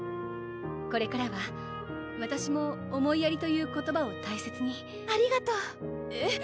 これからはわたしも思いやりという言葉を大切にありがとう！えっ？